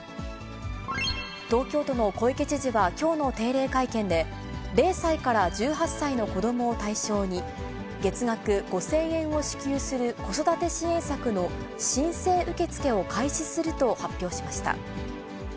東京都の小池知事はきょうの定例会見で、０歳から１８歳の子どもを対象に、月額５０００円を支給する子育て支援策の申請受け付けを開始すると発表しました。